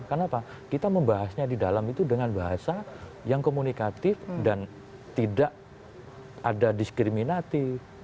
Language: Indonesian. kenapa kita membahasnya di dalam itu dengan bahasa yang komunikatif dan tidak ada diskriminatif